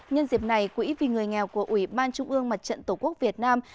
nhân dịp này quỹ vì người nghèo của ủy ban trung ương mặt trận tổ quốc việt nam